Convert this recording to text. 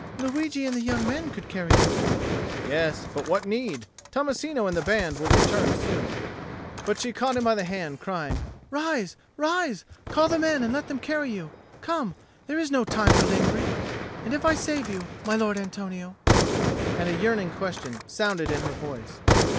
"Luigi and the young men could carry you?" "Yes; but what need? Tommasino and the band will return soon." But she caught him by the hand, crying, "Rise, rise; call the men and let them carry you. Come, there is no time for lingering. And if I save you, my Lord Antonio ?" And a yearning question sounded in her voice.